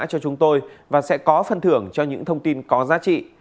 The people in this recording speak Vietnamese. cho chúng tôi và sẽ có phân thưởng cho những thông tin có giá trị